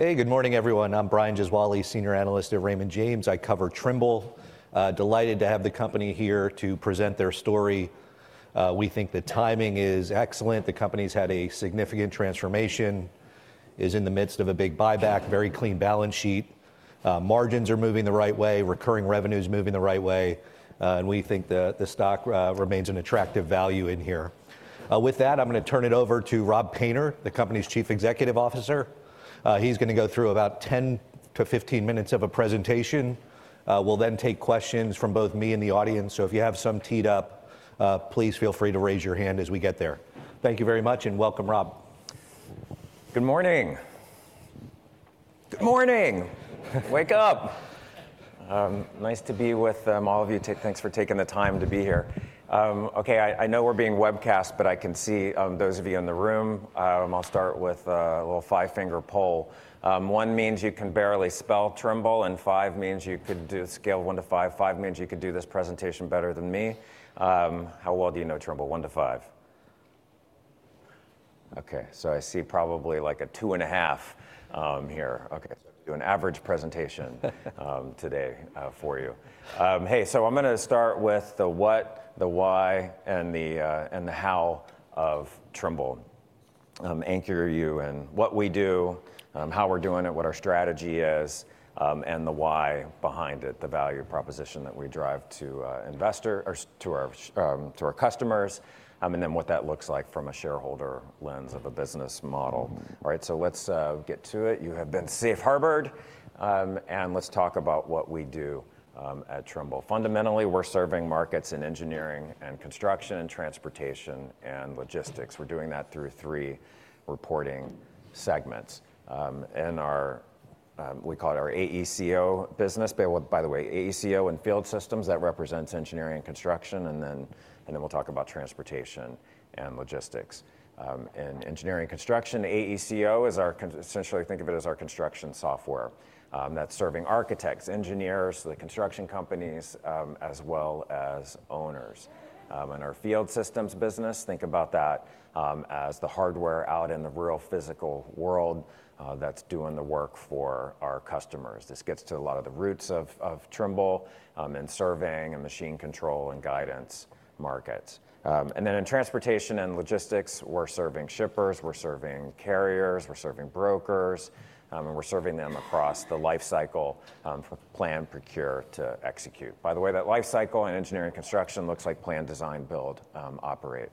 Hey, good morning, everyone. I'm Brian Gesuale, Senior Analyst at Raymond James. I cover Trimble. Delighted to have the company here to present their story. We think the timing is excellent. The company's had a significant transformation, is in the midst of a big buyback, very clean balance sheet. Margins are moving the right way, recurring revenues moving the right way, and we think the stock remains an attractive value in here. With that, I'm going to turn it over to Rob Painter, the company's Chief Executive Officer. He's going to go through about 10 to 15 minutes of a presentation. We'll then take questions from both me and the audience. So if you have some teed up, please feel free to raise your hand as we get there. Thank you very much, and welcome, Rob. Good morning. Good morning. Wake up. Nice to be with all of you. Thanks for taking the time to be here. OK, I know we're being webcast, but I can see those of you in the room. I'll start with a little five-finger poll. One means you can barely spell Trimble, and five means you could do a scale of one to five. Five means you could do this presentation better than me. How well do you know Trimble, one to five? OK, so I see probably like a two and a half here. OK, so I'll do an average presentation today for you. Hey, so I'm going to start with the what, the why, and the how of Trimble. Anchor you in what we do, how we're doing it, what our strategy is, and the why behind it, the value proposition that we drive to investors, to our customers, and then what that looks like from a shareholder lens of a business model. All right, so let's get to it. You have been safe harbored, and let's talk about what we do at Trimble. Fundamentally, we're serving markets in engineering and construction, transportation, and logistics. We're doing that through three reporting segments. We call it our AECO business. By the way, AECO in Field Systems, that represents engineering and construction, and then we'll talk about Transportation and Logistics. In engineering and construction, AECO is our essentially, think of it as our construction software that's serving architects, engineers, the construction companies, as well as owners. In our Field Systems business, think about that as the hardware out in the real physical world that's doing the work for our customers. This gets to a lot of the roots of Trimble and serving machine control and guidance markets. And then in transportation and logistics, we're serving shippers, we're serving carriers, we're serving brokers, and we're serving them across the lifecycle from plan, procure, to execute. By the way, that lifecycle in engineering and construction looks like plan, design, build, operate.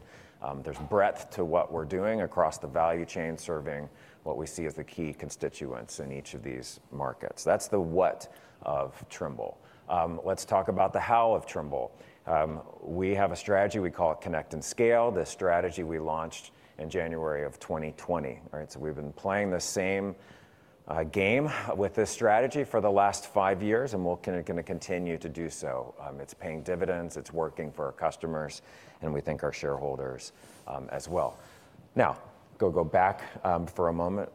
There's breadth to what we're doing across the value chain, serving what we see as the key constituents in each of these markets. That's the what of Trimble. Let's talk about the how of Trimble. We have a strategy we call Connect and Scale, this strategy we launched in January of 2020. All right, so we've been playing the same game with this strategy for the last five years, and we're going to continue to do so. It's paying dividends; it's working for our customers, and we think for our shareholders as well. Now, go back for a moment.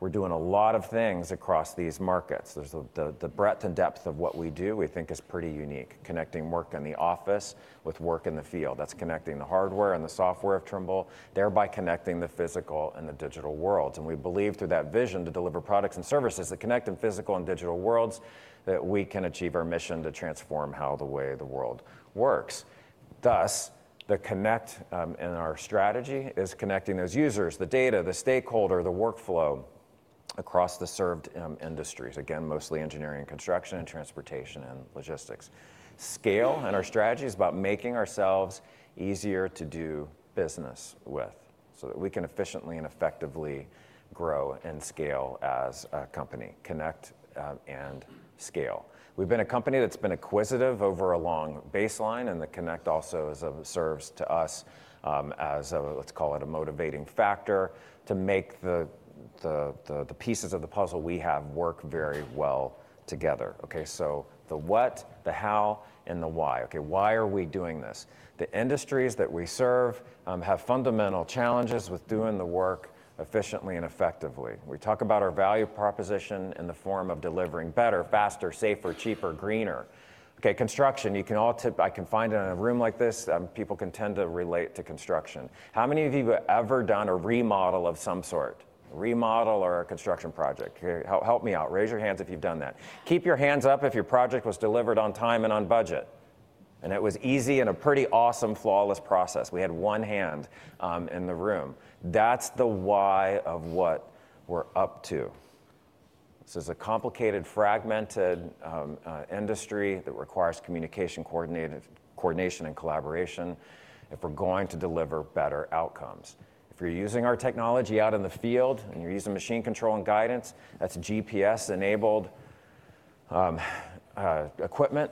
We're doing a lot of things across these markets. The breadth and depth of what we do we think is pretty unique, connecting work in the office with work in the field. That's connecting the hardware and the software of Trimble, thereby connecting the physical and the digital worlds. And we believe through that vision to deliver products and services that connect the physical and digital worlds that we can achieve our mission to transform the way the world works. Thus, the Connect in our strategy is connecting those users, the data, the stakeholder, the workflow across the served industries, again, mostly engineering and construction and transportation and logistics. Scale, in our strategy, is about making ourselves easier to do business with so that we can efficiently and effectively grow and scale as a company. Connect and Scale. We've been a company that's been acquisitive over a long baseline, and the Connect also serves to us as, let's call it, a motivating factor to make the pieces of the puzzle we have work very well together. OK, so the what, the how, and the why. OK, why are we doing this? The industries that we serve have fundamental challenges with doing the work efficiently and effectively. We talk about our value proposition in the form of delivering better, faster, safer, cheaper, greener. OK, construction. You can all relate. I can't find a room like this. People tend to relate to construction. How many of you have ever done a remodel of some sort, remodel or a construction project? Help me out. Raise your hands if you've done that. Keep your hands up if your project was delivered on time and on budget, and it was easy and a pretty awesome, flawless process. We had one hand in the room. That's the why of what we're up to. This is a complicated, fragmented industry that requires communication, coordination, and collaboration if we're going to deliver better outcomes. If you're using our technology out in the field and you're using machine control and guidance, that's GPS-enabled equipment.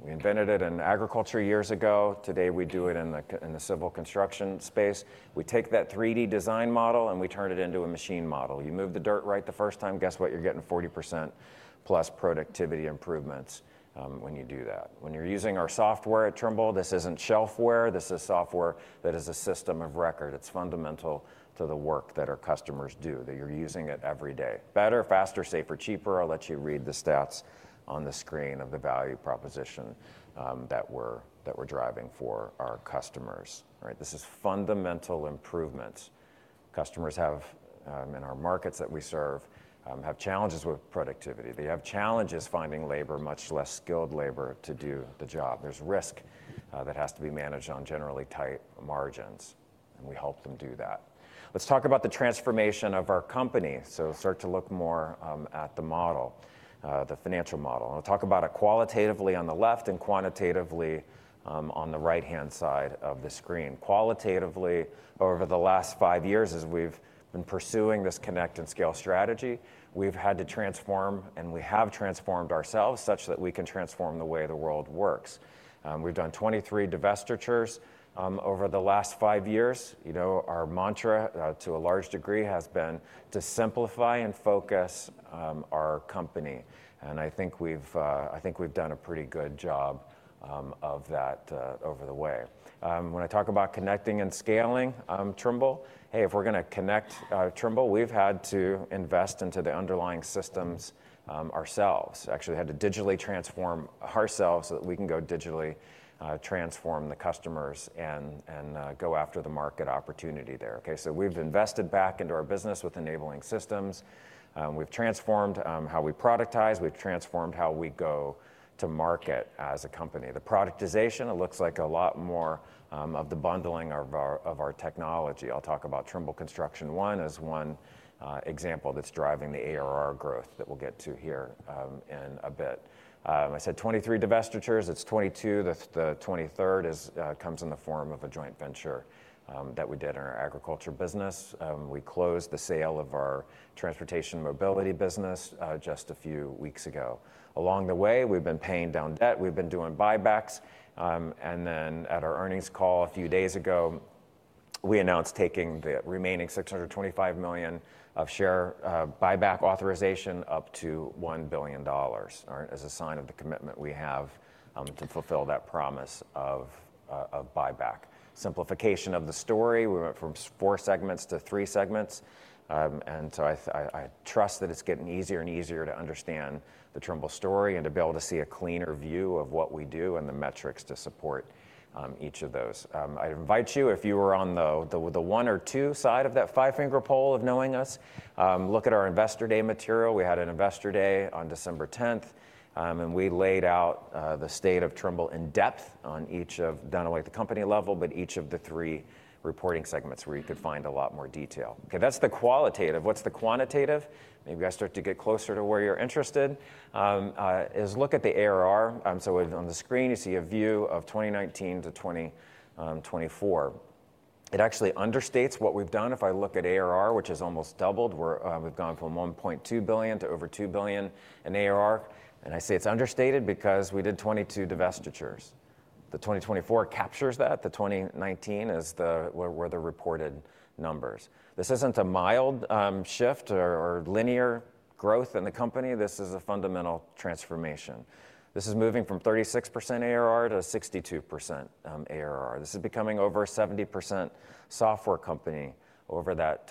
We invented it in agriculture years ago. Today, we do it in the civil construction space. We take that 3D design model and we turn it into a machine model. You move the dirt right the first time, guess what? You're getting 40% plus productivity improvements when you do that. When you're using our software at Trimble, this isn't shelfware. This is software that is a system of record. It's fundamental to the work that our customers do, that you're using it every day. Better, faster, safer, cheaper. I'll let you read the stats on the screen of the value proposition that we're driving for our customers. This is fundamental improvements. Customers in our markets that we serve have challenges with productivity. They have challenges finding labor, much less skilled labor, to do the job. There's risk that has to be managed on generally tight margins, and we help them do that. Let's talk about the transformation of our company. So start to look more at the model, the financial model. I'll talk about it qualitatively on the left and quantitatively on the right-hand side of the screen. Qualitatively, over the last five years, as we've been pursuing this Connect and Scale strategy, we've had to transform, and we have transformed ourselves such that we can transform the way the world works. We've done 23 divestitures over the last five years. Our mantra, to a large degree, has been to simplify and focus our company. And I think we've done a pretty good job of that anyway. When I talk about connecting and scaling Trimble, hey, if we're going to connect Trimble, we've had to invest into the underlying systems ourselves. Actually, we had to digitally transform ourselves so that we can go digitally transform the customers and go after the market opportunity there. OK, so we've invested back into our business with enabling systems. We've transformed how we productize. We've transformed how we go to market as a company. The productization, it looks like a lot more of the bundling of our technology. I'll talk about Trimble Construction One as one example that's driving the ARR growth that we'll get to here in a bit. I said 23 divestitures. It's 22. The 23rd comes in the form of a joint venture that we did in our agriculture business. We closed the sale of our Transportation Mobility business just a few weeks ago. Along the way, we've been paying down debt. We've been doing buybacks. And then at our earnings call a few days ago, we announced taking the remaining $625 million of share buyback authorization up to $1 billion as a sign of the commitment we have to fulfill that promise of buyback. Simplification of the story, we went from four segments to three segments. And so I trust that it's getting easier and easier to understand the Trimble story and to be able to see a cleaner view of what we do and the metrics to support each of those. I invite you, if you were on the one or two side of that five-finger poll of knowing us, look at our Investor Day material. We had an Investor Day on December 10th, and we laid out the state of Trimble in depth on each of, not only at the company level, but each of the three reporting segments where you could find a lot more detail. OK, that's the qualitative. What's the quantitative? Maybe you guys start to get closer to where you're interested is look at the ARR. So on the screen, you see a view of 2019 to 2024. It actually understates what we've done. If I look at ARR, which has almost doubled, we've gone from $1.2 billion to over $2 billion in ARR, and I say it's understated because we did 22 divestitures. The 2024 captures that. The 2019 is where the reported numbers. This isn't a mild shift or linear growth in the company. This is a fundamental transformation. This is moving from 36% ARR to 62% ARR. This is becoming over a 70% software company over that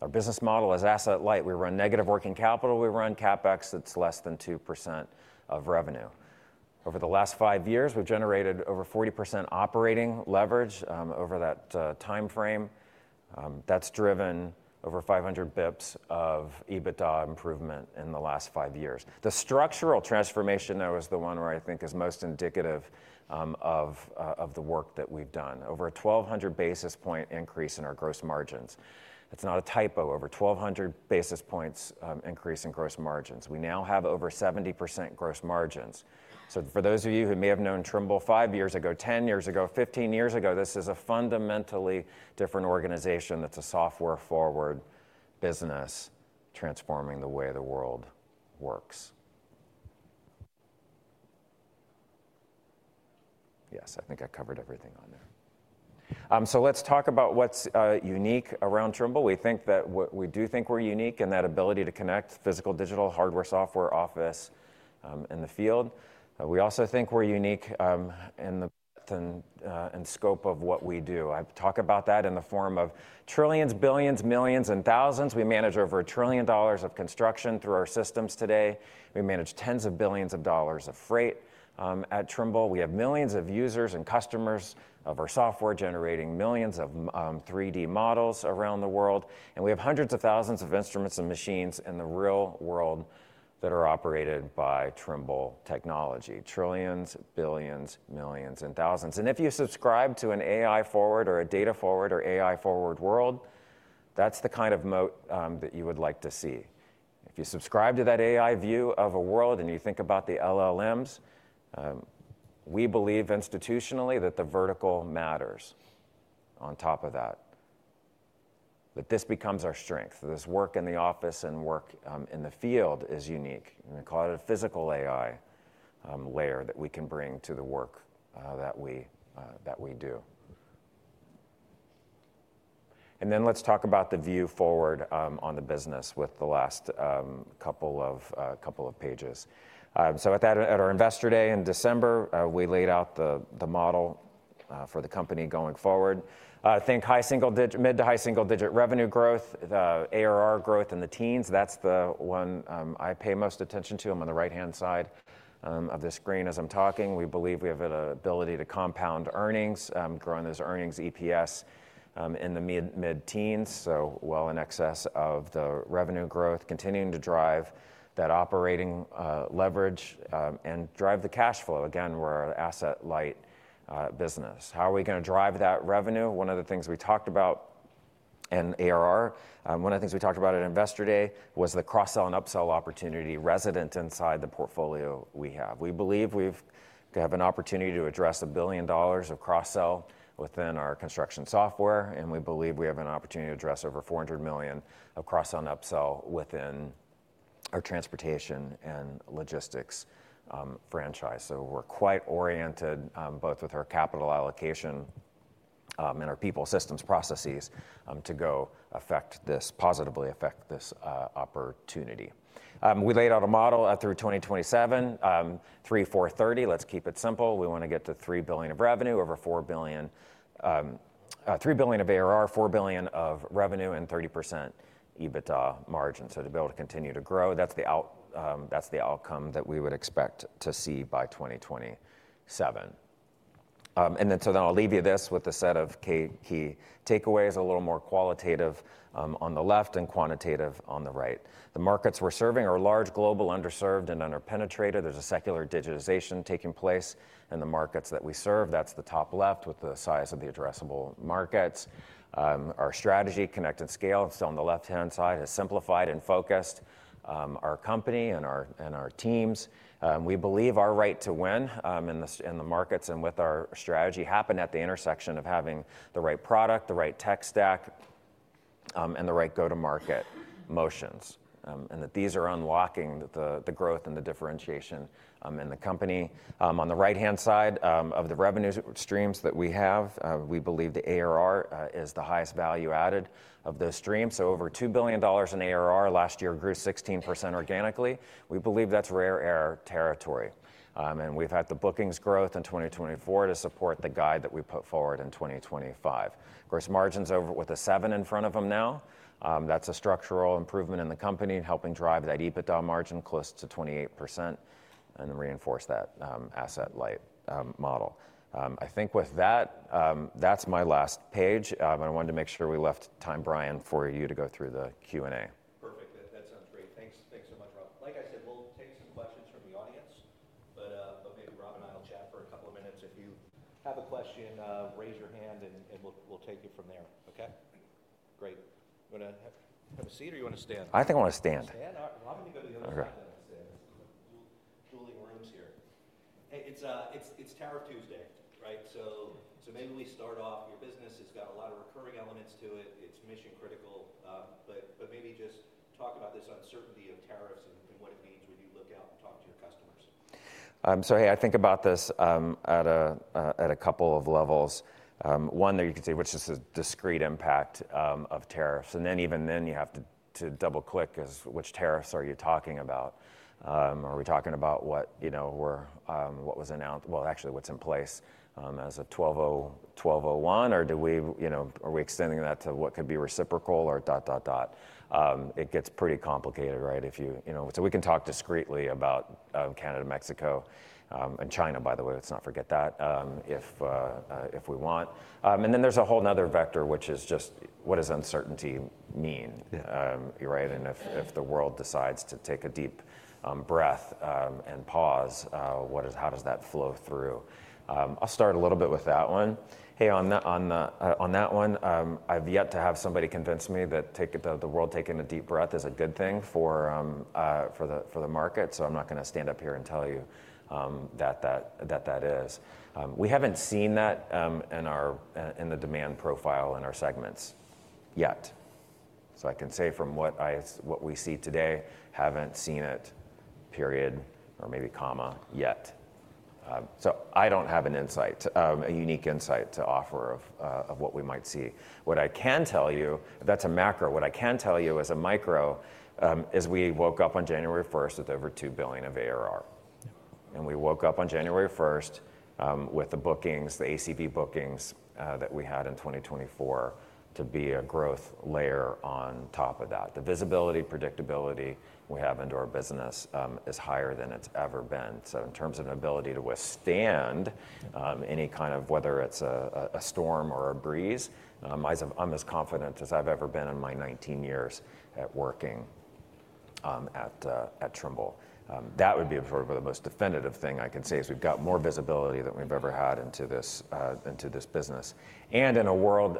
time frame. Our business model is asset light. We run negative working capital. We run CapEx that's less than 2% of revenue. Over the last five years, we've generated over 40% operating leverage over that time frame. That's driven over 500 basis points of EBITDA improvement in the last five years. The structural transformation, though, is the one where I think is most indicative of the work that we've done. Over a 1,200 basis point increase in our gross margins. It's not a typo. Over 1,200 basis points increase in gross margins. We now have over 70% gross margins. So for those of you who may have known Trimble five years ago, 10 years ago, 15 years ago, this is a fundamentally different organization that's a software-forward business transforming the way the world works. Yes, I think I covered everything on there. So let's talk about what's unique around Trimble. We do think we're unique in that ability to connect physical, digital, hardware, software, office in the field. We also think we're unique in the scope of what we do. I talk about that in the form of trillions, billions, millions, and thousands. We manage over $1 trillion of construction through our systems today. We manage tens of billions of dollars of freight at Trimble. We have millions of users and customers of our software generating millions of 3D models around the world, and we have hundreds of thousands of instruments and machines in the real world that are operated by Trimble technology: trillions, billions, millions, and thousands, and if you subscribe to an AI-forward or a data-forward or AI-forward world, that's the kind of moat that you would like to see. If you subscribe to that AI view of a world and you think about the LLMs, we believe institutionally that the vertical matters on top of that, that this becomes our strength. This work in the office and work in the field is unique. We call it a Physical AI layer that we can bring to the work that we do. And then let's talk about the view forward on the business with the last couple of pages. So at our investor day in December, we laid out the model for the company going forward. I think high single digit, mid- to high-single-digit revenue growth, ARR growth in the teens, that's the one I pay most attention to. I'm on the right-hand side of the screen as I'm talking. We believe we have an ability to compound earnings, growing those earnings EPS in the mid-teens, so well in excess of the revenue growth, continuing to drive that operating leverage and drive the cash flow. Again, we're an asset-light business. How are we going to drive that revenue? One of the things we talked about in ARR, one of the things we talked about at investor day was the cross-sell and upsell opportunity resident inside the portfolio we have. We believe we have an opportunity to address $1 billion of cross-sell within our construction software. And we believe we have an opportunity to address over $400 million of cross-sell and upsell within our transportation and logistics franchise. So we're quite oriented, both with our capital allocation and our people, systems, processes to go positively affect this opportunity. We laid out a model through 2027, $3 billion, $4 billion, 30%. Let's keep it simple. We want to get to $3 billion of revenue, over $4 billion, $3 billion of ARR, $4 billion of revenue, and 30% EBITDA margin. So to be able to continue to grow, that's the outcome that we would expect to see by 2027. I'll leave you with this set of key takeaways, a little more qualitative on the left and quantitative on the right. The markets we're serving are large, global, underserved, and under-penetrated. There's a secular digitization taking place in the markets that we serve. That's the top left with the size of the addressable markets. Our strategy, Connect and Scale, so on the left-hand side has simplified and focused our company and our teams. We believe our right to win in the markets and with our strategy happen at the intersection of having the right product, the right tech stack, and the right go-to-market motions, and that these are unlocking the growth and the differentiation in the company. On the right-hand side of the revenue streams that we have, we believe the ARR is the highest value added of those streams. So, over $2 billion in ARR last year grew 16% organically. We believe that's rare air territory. And we've had the bookings growth in 2024 to support the guide that we put forward in 2025. Gross margins over with a seven in front of them now. That's a structural improvement in the company, helping drive that EBITDA margin close to 28% and reinforce that asset light model. I think with that, that's my last page. And I wanted to make sure we left time, Brian, for you to go through the Q&A. Perfect. That sounds great. Thanks so much, Rob. Like I said, we'll take some questions from the audience. But maybe Rob and I will chat for a couple of minutes. If you have a question, raise your hand and we'll take it from there. OK? Great. You want to have a seat or you want to stand? I think I want to stand. Stand? Rob, you can go to the other side. There's some dueling rooms here. Hey, it's Tariff Tuesday, right, so maybe we start off. Your business has got a lot of recurring elements to it. It's mission-critical, but maybe just talk about this uncertainty of tariffs and what it means when you look out and talk to your customers. So hey, I think about this at a couple of levels. One, you can say, which is a discrete impact of tariffs, and then even then you have to double-click as which tariffs are you talking about. Are we talking about what was announced? Well, actually, what's in place as a 1201? Or are we extending that to what could be reciprocal or dot, dot, dot? It gets pretty complicated, right, so we can talk discretely about Canada, Mexico, and China, by the way. Let's not forget that if we want. And then there's a whole nother vector, which is just what does uncertainty mean, right? And if the world decides to take a deep breath and pause, how does that flow through? I'll start a little bit with that one. Hey, on that one, I've yet to have somebody convince me that the world taking a deep breath is a good thing for the market. So I'm not going to stand up here and tell you that that is. We haven't seen that in the demand profile in our segments yet. So I can say from what we see today, haven't seen it, period, or maybe comma yet. So I don't have an insight, a unique insight to offer of what we might see. What I can tell you, that's a macro. What I can tell you as a micro is we woke up on January 1 with over $2 billion of ARR, and we woke up on January 1 with the bookings, the ACV bookings that we had in 2024 to be a growth layer on top of that. The visibility, predictability we have into our business is higher than it's ever been, so in terms of an ability to withstand any kind of, whether it's a storm or a breeze, I'm as confident as I've ever been in my 19 years at working at Trimble. That would be sort of the most definitive thing I can say is we've got more visibility than we've ever had into this business. In a world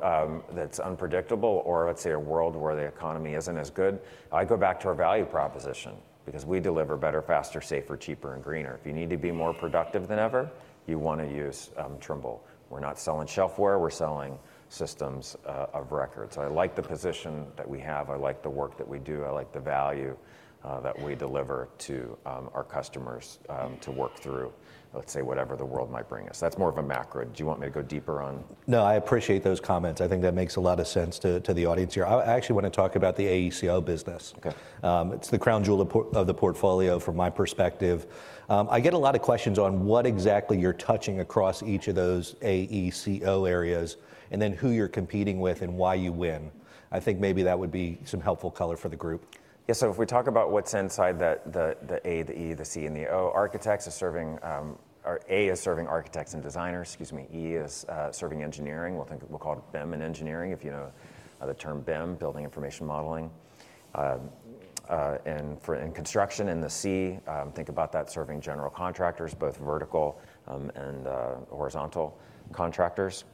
that's unpredictable, or let's say a world where the economy isn't as good, I go back to our value proposition because we deliver better, faster, safer, cheaper, and greener. If you need to be more productive than ever, you want to use Trimble. We're not selling shelfware. We're selling systems of record. So I like the position that we have. I like the work that we do. I like the value that we deliver to our customers to work through, let's say, whatever the world might bring us. That's more of a macro. Do you want me to go deeper on? No, I appreciate those comments. I think that makes a lot of sense to the audience here. I actually want to talk about the AECO business. It's the crown jewel of the portfolio from my perspective. I get a lot of questions on what exactly you're touching across each of those AECO areas and then who you're competing with and why you win. I think maybe that would be some helpful color for the group. Yeah, so if we talk about what's inside the A, the E, the C, and the O, architects are serving, or A is serving architects and designers. Excuse me, E is serving engineering. We'll call it BIM and engineering if you know the term BIM, Building Information Modeling. And for in construction, and the C, think about that serving general contractors, both vertical and horizontal contractors.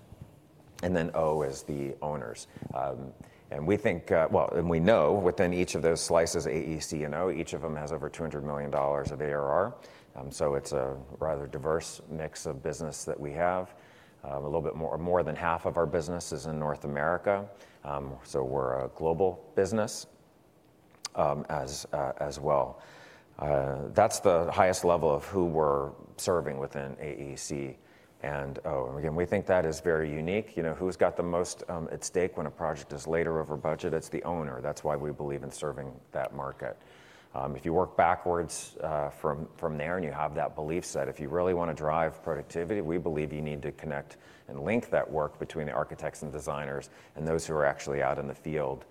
And then O is the owners. And we think, well, and we know within each of those slices, AEC and O, each of them has over $200 million of ARR. So it's a rather diverse mix of business that we have. A little bit more than half of our business is in North America. So we're a global business as well. That's the highest level of who we're serving within AECO. And again, we think that is very unique. Who's got the most at stake when a project is later over budget? It's the owner. That's why we believe in serving that market. If you work backwards from there and you have that belief set, if you really want to drive productivity, we believe you need to connect and link that work between the architects and designers and those who are actually out in the field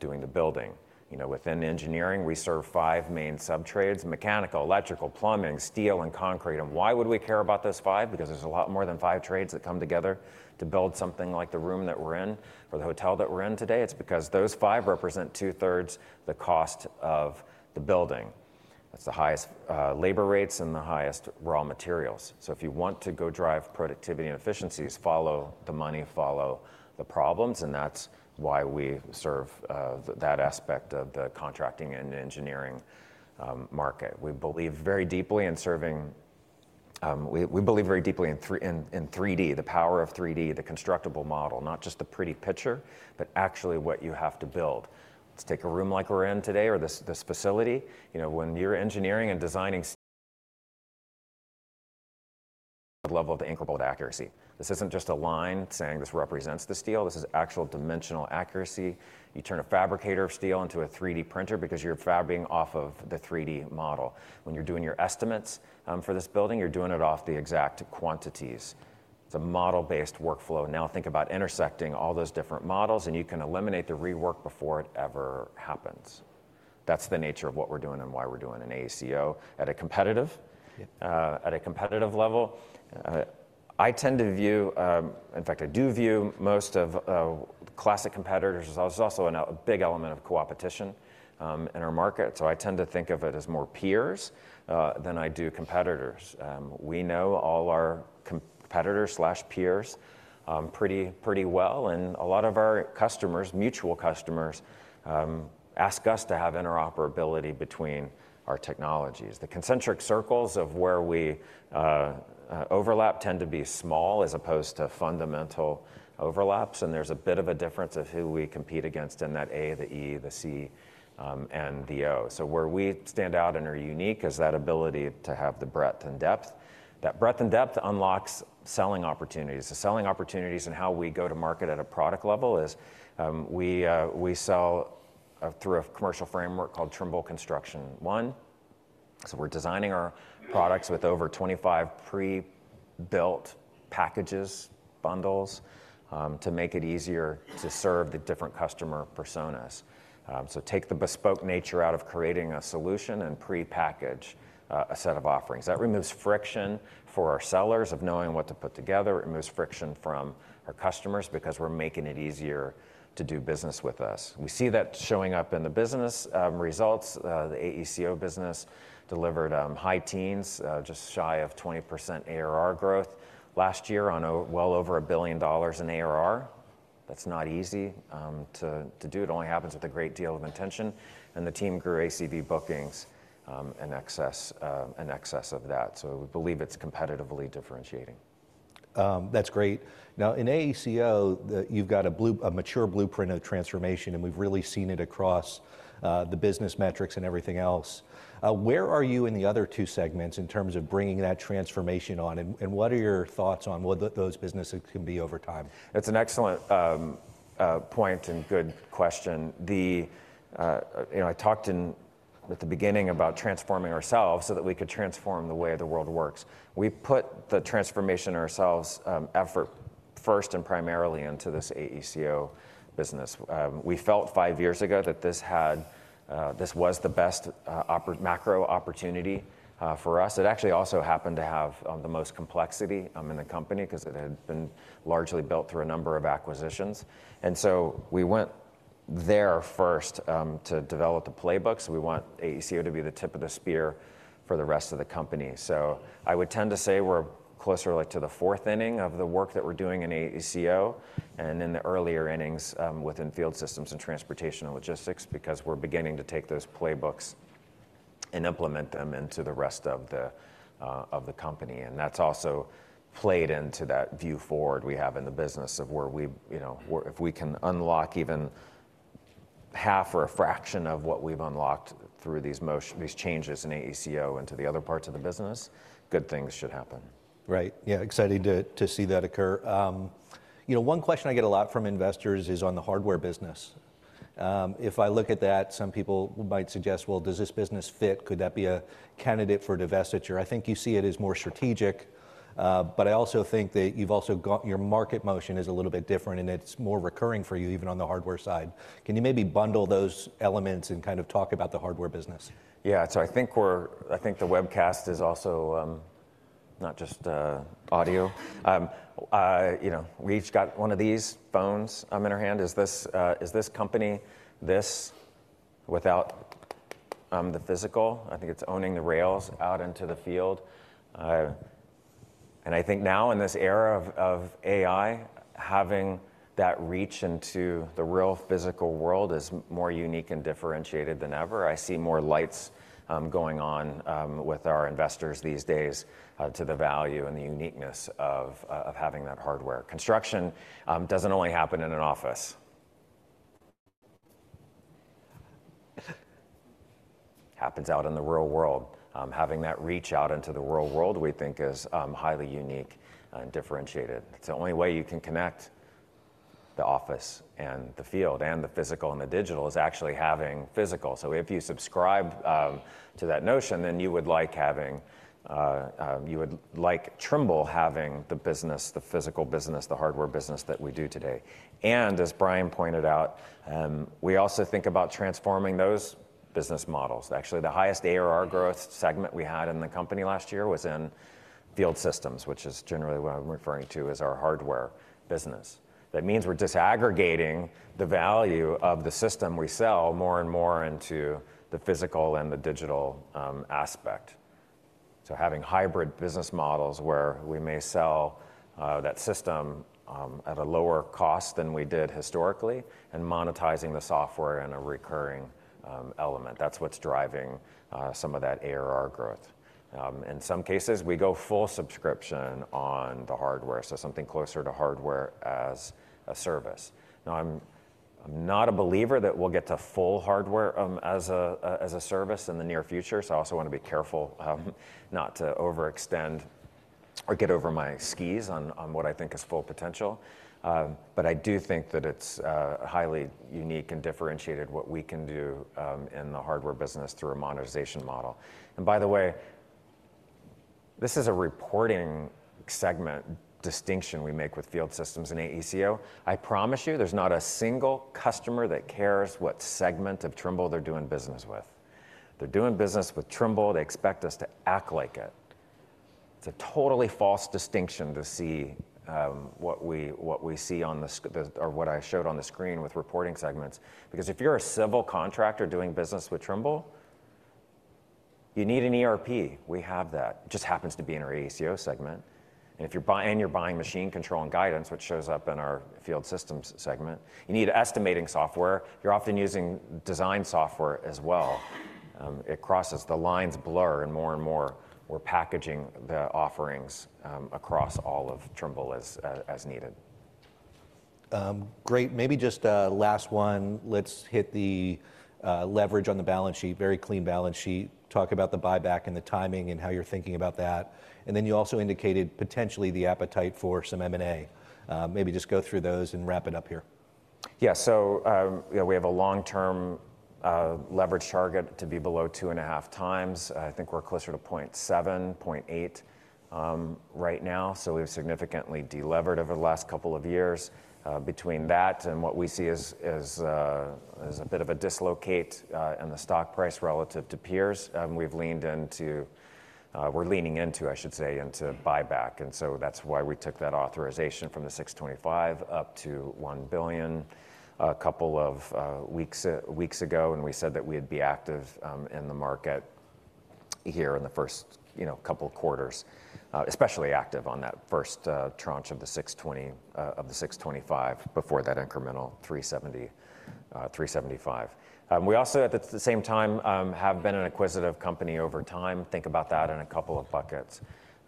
doing the building. Within engineering, we serve five main subtrades: mechanical, electrical, plumbing, steel, and concrete, and why would we care about those five? Because there's a lot more than five trades that come together to build something like the room that we're in or the hotel that we're in today. It's because those five represent two-thirds the cost of the building. That's the highest labor rates and the highest raw materials. So if you want to go drive productivity and efficiencies, follow the money, follow the problems, and that's why we serve that aspect of the contracting and engineering market. We believe very deeply in serving. We believe very deeply in 3D, the power of 3D, the constructible model, not just the pretty picture, but actually what you have to build. Let's take a room like we're in today or this facility. When you're engineering and designing, level of the anchor bolt accuracy. This isn't just a line saying this represents the steel. This is actual dimensional accuracy. You turn a fabricator of steel into a 3D printer because you're fabricating off of the 3D model. When you're doing your estimates for this building, you're doing it off the exact quantities. It's a model-based workflow. Now think about intersecting all those different models, and you can eliminate the rework before it ever happens. That's the nature of what we're doing and why we're doing an AECO at a competitive level. I tend to view, in fact, I do view most of classic competitors as also a big element of coopetition in our market. So I tend to think of it as more peers than I do competitors. We know all our competitors and peers pretty well. And a lot of our customers, mutual customers, ask us to have interoperability between our technologies. The concentric circles of where we overlap tend to be small as opposed to fundamental overlaps. There's a bit of a difference of who we compete against in that A, the E, the C, and the O. So where we stand out and are unique is that ability to have the breadth and depth. That breadth and depth unlocks selling opportunities. The selling opportunities and how we go to market at a product level is we sell through a commercial framework called Trimble Construction One. So we're designing our products with over 25 pre-built packages, bundles to make it easier to serve the different customer personas. So take the bespoke nature out of creating a solution and pre-package a set of offerings. That removes friction for our sellers of knowing what to put together. It removes friction from our customers because we're making it easier to do business with us. We see that showing up in the business results. The AECO business delivered high teens, just shy of 20% ARR growth last year on well over $1 billion in ARR. That's not easy to do. It only happens with a great deal of intention, and the team grew ACV bookings in excess of that, so we believe it's competitively differentiating. That's great. Now, in AECO, you've got a mature blueprint of transformation, and we've really seen it across the business metrics and everything else. Where are you in the other two segments in terms of bringing that transformation on? And what are your thoughts on what those businesses can be over time? That's an excellent point and good question. I talked at the beginning about transforming ourselves so that we could transform the way the world works. We put the transformation ourselves effort first and primarily into this AECO business. We felt five years ago that this was the best macro opportunity for us. It actually also happened to have the most complexity in the company because it had been largely built through a number of acquisitions, and so we went there first to develop the playbooks. We want AECO to be the tip of the spear for the rest of the company, so I would tend to say we're closer to the fourth inning of the work that we're doing in AECO and in the earlier innings within field systems and transportation and logistics because we're beginning to take those playbooks and implement them into the rest of the company. And that's also played into that view forward we have in the business of where if we can unlock even half or a fraction of what we've unlocked through these changes in AECO into the other parts of the business, good things should happen. Right. Yeah, exciting to see that occur. One question I get a lot from investors is on the hardware business. If I look at that, some people might suggest, well, does this business fit? Could that be a candidate for divestiture? I think you see it as more strategic. But I also think that your market motion is a little bit different, and it's more recurring for you even on the hardware side. Can you maybe bundle those elements and kind of talk about the hardware business? Yeah. So I think the webcast is also not just audio. We each got one of these phones in our hand. Is this company this without the physical? I think it's owning the rails out into the field, and I think now in this era of AI, having that reach into the real physical world is more unique and differentiated than ever. I see more lights going on with our investors these days to the value and the uniqueness of having that hardware. Construction doesn't only happen in an office. Happens out in the real world. Having that reach out into the real world, we think, is highly unique and differentiated. It's the only way you can connect the office and the field and the physical and the digital is actually having physical. So if you subscribe to that notion, then you would like Trimble having the business, the physical business, the hardware business that we do today. And as Brian pointed out, we also think about transforming those business models. Actually, the highest ARR growth segment we had in the company last year was in field systems, which is generally what I'm referring to as our hardware business. That means we're disaggregating the value of the system we sell more and more into the physical and the digital aspect. So having hybrid business models where we may sell that system at a lower cost than we did historically and monetizing the software in a recurring element. That's what's driving some of that ARR growth. In some cases, we go full subscription on the hardware, so something closer to hardware as a service. Now, I'm not a believer that we'll get to full hardware as a service in the near future. So I also want to be careful not to overextend or get over my skis on what I think is full potential. But I do think that it's highly unique and differentiated what we can do in the hardware business through a monetization model. And by the way, this is a reporting segment distinction we make with field systems in AECO. I promise you there's not a single customer that cares what segment of Trimble they're doing business with. They're doing business with Trimble. They expect us to act like it. It's a totally false distinction to see what we see on the or what I showed on the screen with reporting segments. Because if you're a civil contractor doing business with Trimble, you need an ERP. We have that. It just happens to be in our AECO segment, and you're buying machine control and guidance, which shows up in our field systems segment. You need estimating software. You're often using design software as well. It crosses the lines, the lines blur, and more and more we're packaging the offerings across all of Trimble as needed. Great. Maybe just last one. Let's hit the leverage on the balance sheet, very clean balance sheet. Talk about the buyback and the timing and how you're thinking about that, and then you also indicated potentially the appetite for some M&A. Maybe just go through those and wrap it up here. Yeah. So we have a long-term leverage target to be below two and a half times. I think we're closer to 0.7, 0.8 right now. So we've significantly delivered over the last couple of years. Between that and what we see is a bit of a dislocation in the stock price relative to peers. We're leaning into, I should say, buyback. And so that's why we took that authorization from the $625 million up to $1 billion a couple of weeks ago. And we said that we'd be active in the market here in the first couple of quarters, especially active on that first tranche of the $620 million of the $625 million before that incremental $375 million. We also, at the same time, have been an acquisitive company over time. Think about that in a couple of buckets.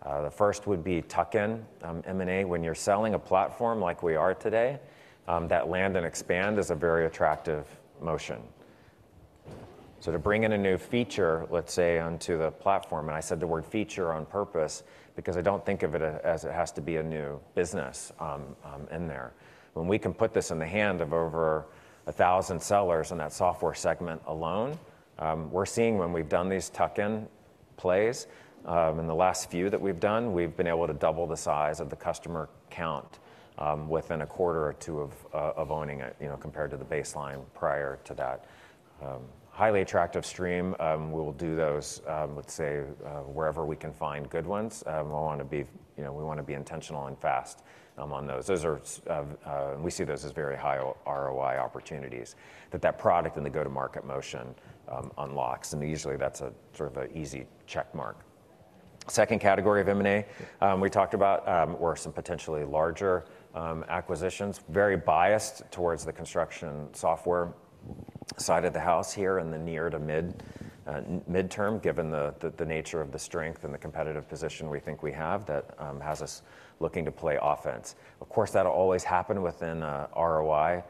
The first would be tuck-in M&A. When you're selling a platform like we are today, that land and expand is a very attractive motion. To bring in a new feature, let's say, onto the platform, and I said the word feature on purpose because I don't think of it as it has to be a new business in there. When we can put this in the hand of over 1,000 sellers in that software segment alone, we're seeing when we've done these tuck-in plays in the last few that we've done, we've been able to double the size of the customer count within a quarter or two of owning it compared to the baseline prior to that. Highly attractive stream. We will do those, let's say, wherever we can find good ones. We want to be intentional and fast on those. We see those as very high ROI opportunities that product and the go-to-market motion unlocks. And usually, that's a sort of an easy checkmark. Second category of M&A we talked about were some potentially larger acquisitions, very biased towards the construction software side of the house here in the near to midterm, given the nature of the strength and the competitive position we think we have that has us looking to play offense. Of course, that'll always happen within ROI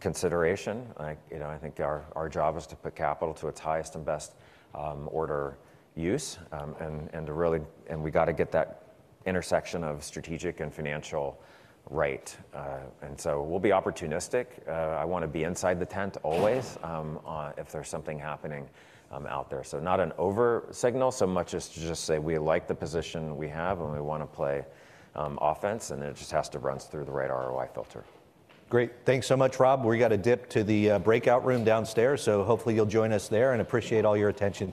consideration. I think our job is to put capital to its highest and best order use and to really and we got to get that intersection of strategic and financial right. And so we'll be opportunistic. I want to be inside the tent always if there's something happening out there. So not an over signal so much as to just say we like the position we have and we want to play offense, and it just has to run through the right ROI filter. Great. Thanks so much, Rob. We've got to dip to the breakout room downstairs. So hopefully, you'll join us there, and we appreciate all your attention.